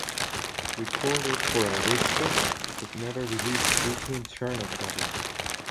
Recorded for Arista, but never released due to internal problems.